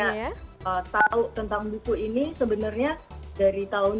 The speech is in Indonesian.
tapi pertama kali saya tau tentang buku ini sebenernya dari tahun dua ribu delapan belas